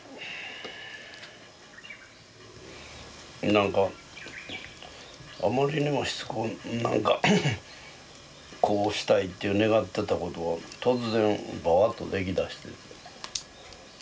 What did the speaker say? ・なんかあまりにもしつこくなんかこうしたいって願ってたことが突然バーッと出来だして。